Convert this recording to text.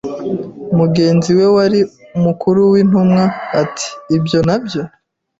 Mugenzi we wari umukuru w'intumwa ati ibyo nabyo,